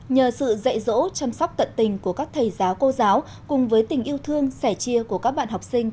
nhờ sự dạy dỗ chăm sóc tận tình của các thầy giáo cô giáo cùng với tình yêu thương sẻ chia của các bạn học sinh